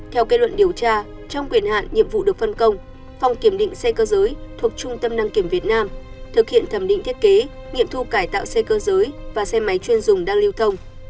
theo kết luận điều tra trong quyền hạn nhiệm vụ được phân công phòng kiểm định xe cơ giới thuộc trung tâm đăng kiểm việt nam thực hiện thẩm định thiết kế nghiệm thu cải tạo xe cơ giới và xe máy chuyên dùng đang lưu thông